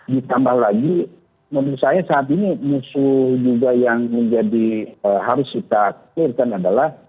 ditambah lagi menurut saya saat ini musuh juga yang menjadi harus kita clear kan adalah